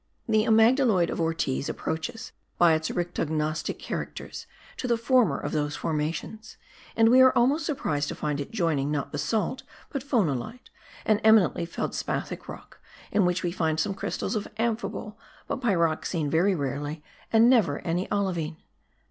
The amygdaloid of Ortiz approaches, by its oryctognostic characters, to the former of those formations, and we are almost surprised to find it joining, not basalt, but phonolite,* an eminently felspathic rock, in which we find some crystals of amphibole, but pyroxene very rarely, and never any olivine.